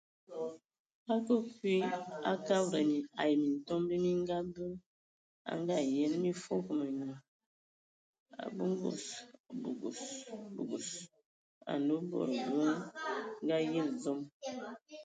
A a akǝ kwi a Kabad ai Mintomba mi ngabǝ, a Ngaayen mi foogo menyu, a bogos, bogos, bogos, anǝ e bod bə anyali dzom.